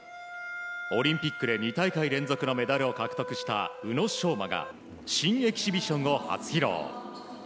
オリンピックで２大会連続のメダルを獲得した宇野昌磨が新エキシビションを初披露。